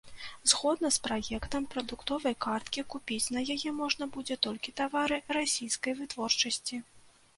Згодна з праектам прадуктовай карткі, купіць на яе можна будзе толькі тавары расійскай вытворчасці.